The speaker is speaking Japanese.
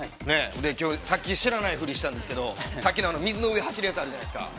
きょう、さっき知らないふりしたんですけれどもさっきの水の上走るやつ、あるじゃないですか。